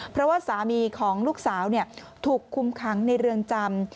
เพราะว่าสามีของลูกสาวถูกคุมขังในเรือนจำ